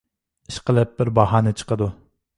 ئىشقىلىپ، بىر باھانە چىقىدۇ.